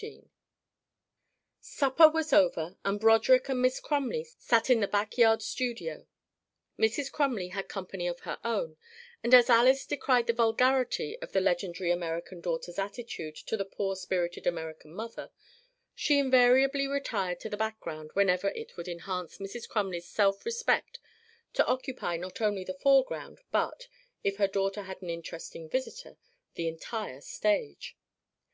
CHAPTER XIV Supper was over and Broderick and Miss Crumley sat in the back yard studio; Mrs. Crumley had company of her own, and as Alys decried the vulgarity of the legendary American daughter's attitude to the poor spirited American mother, she invariably retired to the background whenever it would enhance Mrs. Crumley's self respect to occupy not only the foreground but (if her daughter had an interesting visitor) the entire stage.